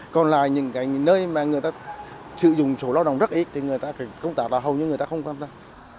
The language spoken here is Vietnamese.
còn lại những nơi mà người ta sử dụng số lao động rất ít thì công tác là hầu như người ta không quan tâm